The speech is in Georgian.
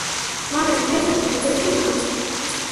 მაგრამ ხეთებთან ბრძოლაში დამარცხდა.